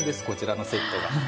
こちらのセットが。